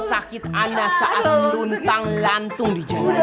sakit anak saat luntang lantung di jangkau